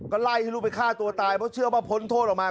ก็ไล่ให้ลูกไปฆ่าตัวตายเพราะเชื่อว่าพ้นโทษออกมา